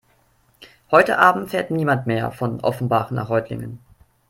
Heute Abend fährt niemand mehr von Offenbach nach Reutlingen